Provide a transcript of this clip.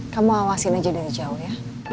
kamu awasin aja dari jauh ya